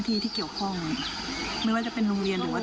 ใช่คือให้ผู้ใหญ่ช่วยดำเนินการได้